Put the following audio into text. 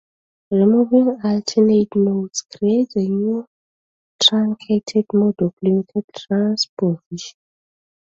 Removing alternate notes creates a new truncated mode of limited transposition.